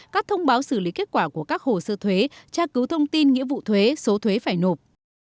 các thông báo xử lý kết quả của các hồ sơ thuế tra cứu thông tin nghĩa vụ thuế số thuế phải nộp